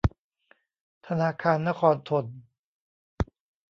ธนาคารนครธน